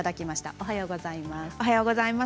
おはようございます。